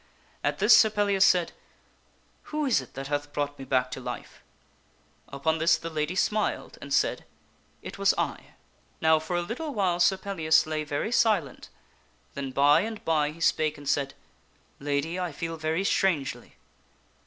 At this Sir Pellias said, " Who is it that hath brought me back to life ?" Upon this the lady smiled and said, " It was I." Now for a little while Sir Pellias lay very silent, then by and by he spake and said, " Lady, I feel very strangely."